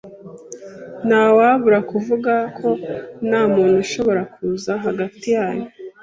Ntawabura kuvuga ko ntamuntu ushobora kuza hagati yacu.